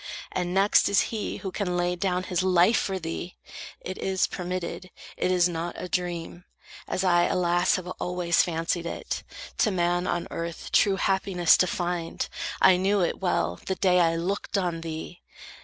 And next Is he, who can lay down his life for thee! It is permitted, it is not a dream, As I, alas, have always fancied it, To man, on earth true happiness to find. I knew it well, the day I looked on thee.